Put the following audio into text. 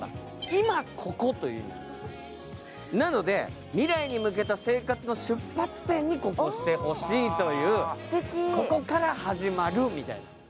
今ここという意味なので、未来に向けた生活の出発点にしてほしいと、ここから始まる、みたいな。